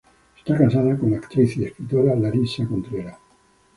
Está casado con la actriz y escritora Larissa Contreras.